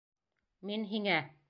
Мин һиңә.